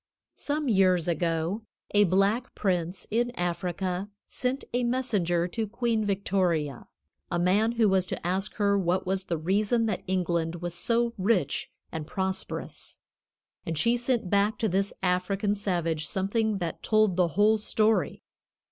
Some years ago a black prince in Africa sent a messenger to Queen Victoria, a man who was to ask her what was the reason that England was so rich and prosperous; and she sent back to this African savage something that told the whole story.